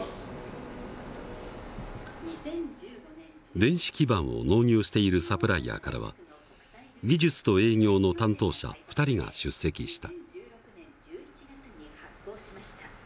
電子基板を納入しているサプライヤーからは技術と営業の担当者２人が出席した。